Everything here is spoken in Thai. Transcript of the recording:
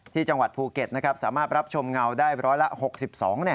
ที่จังหวัดภูเก็ตสามารถรับชมเงาได้ร้อยละ๖๒